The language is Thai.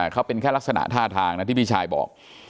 เขาเป็นแค่ลักษณะท่าทางนะที่พี่ชายบอก